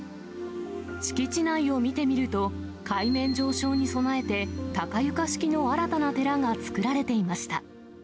敷地内を見てみると、海面上昇に備えて、高床式の新たな寺が造られていました。